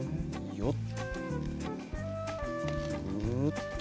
よっ。